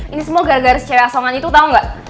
ini semua gara gara si cewek asongan itu tau gak